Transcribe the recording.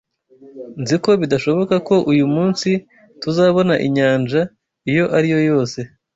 Nzi ko bidashoboka ko uyu munsi tuzabona inyanja iyo ari yo yose.